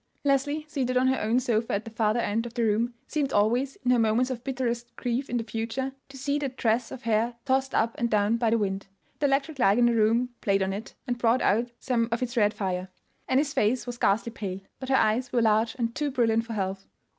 Leslie, seated on her own sofa at the farther end of the room, seemed always, in her moments of bitterest grief in the future, to see that tress of hair tossed up and down by the wind. The electric light in the room played on it, and brought out some of its red fire. Annie's face was ghastly pale; but her eyes were large and too brilliant for health.